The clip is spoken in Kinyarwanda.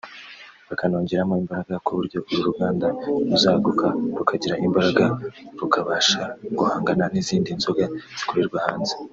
bakanongeramo imbaraga ku buryo uru ruganda ruzaguka rukagira imbaraga rukabasha guhangana n’izindi nzoga zikorerwa hanze